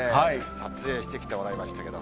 撮影してきてもらいましたけど。